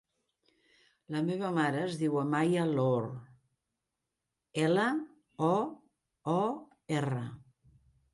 La meva mare es diu Amaia Loor: ela, o, o, erra.